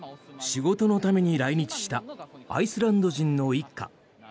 仕事のために来日したアイスランド人の一家。